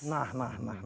nah nah nah